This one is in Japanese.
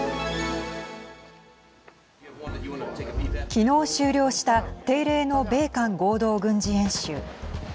昨日、終了した定例の米韓合同軍事演習。